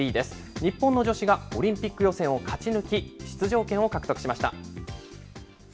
日本の女子がオリンピック予選を勝ち抜き、出場権を獲得しました。